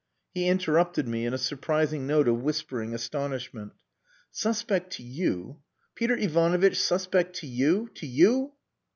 He interrupted me, in a surprising note of whispering astonishment. "Suspect to you! Peter Ivanovitch suspect to you! To you!..."